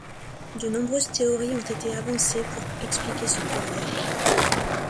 De nombreuses théories ont été avancées pour expliquer ce pluriel.